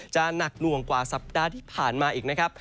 หนักหน่วงกว่าสัปดาห์ที่ผ่านมาอีกนะครับ